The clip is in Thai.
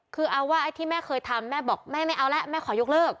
คือเอาว่าไอ้ที่แม่เคยทำแม่บอกแม่ไม่เอาแล้วแม่ขอยกเลิก